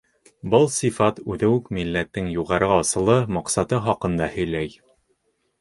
Был сифат үҙе үк милләттең юғары асылы, маҡсаты хаҡында һөйләй.